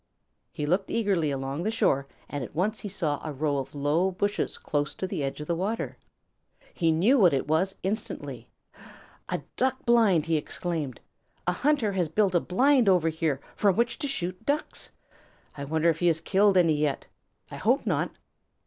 He looked eagerly along the shore, and at once he saw a row of low bushes close to the edge of the water. He knew what it was instantly. "A Duck blind!" he exclaimed. "A hunter has built a blind over here from which to shoot Ducks. I wonder if he has killed any yet. I hope not."